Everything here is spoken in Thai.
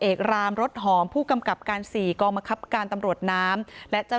รามรถหอมผู้กำกับการสี่กองบังคับการตำรวจน้ำและเจ้า